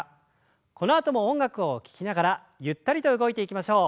このあとも音楽を聞きながらゆったりと動いていきましょう。